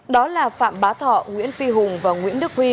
đó là phạm bá thọ nguyễn phi hùng và nguyễn đức huy